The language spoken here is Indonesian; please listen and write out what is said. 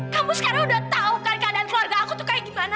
kamu sekarang udah tau kan keadaan keluarga aku tuh kayak gimana